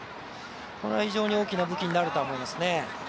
これは非常に大きい武器になると思いますね。